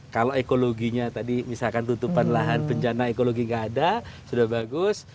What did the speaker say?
kalau ekologinya tadi misalkan tutupan lahan bencana ekologi nggak ada sudah bagus